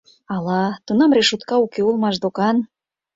— Ала... тунам решотка уке улмаш докан.